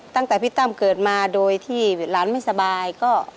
ตั้งแต่พี่ตั้มเกิดมาโดยที่หลานไม่สบายก็